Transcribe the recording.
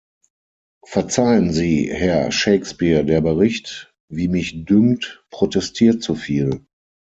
Verzeihen Sie, Herr Shakespeare der Bericht, wie mich dünkt, protestiert zu viel.